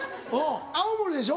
青森でしょ